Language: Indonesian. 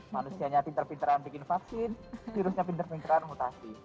manusianya pinter pinteran bikin vaksin virusnya pinter pinteran mutasi